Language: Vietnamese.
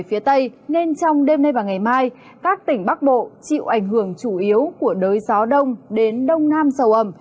phía tây nên trong đêm nay và ngày mai các tỉnh bắc bộ chịu ảnh hưởng chủ yếu của đới gió đông đến đông nam sầu ẩm